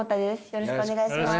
よろしくお願いします。